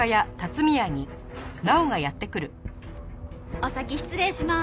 お先失礼します。